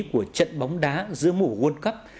của trận bóng đá giữa mùa world cup